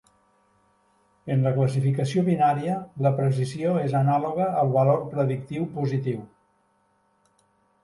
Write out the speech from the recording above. En la classificació binària, la precisió és anàloga al valor predictiu positiu.